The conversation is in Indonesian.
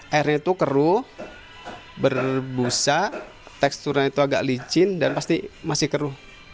airnya itu keruh berbusa teksturnya itu agak licin dan pasti masih keruh